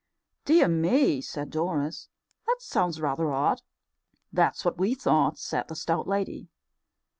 "Dear me!" said Doris, "that sounds rather odd." "That's what we thought," said the stout lady.